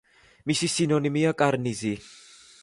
მისი სინონიმია კარნიზი.